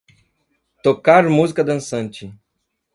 Tocar música dançante